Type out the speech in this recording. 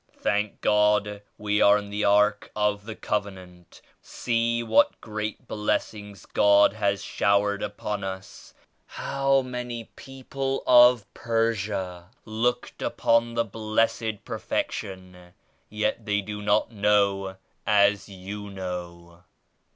Thank God we are in the Ark of the Covenant. See what great blessings God has showered upon us. How many people of Persia looked upon the Blessed Perfection yet they do not know as you know.